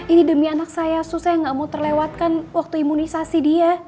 ini demi anak saya gak mau terlewatkan waktu imunisasi dia